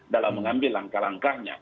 dalam mengambil langkah langkahnya